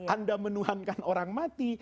anda menuhankan orang mati